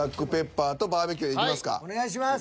お願いします。